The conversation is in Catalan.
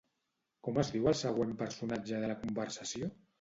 Com es diu el següent personatge de la conversació?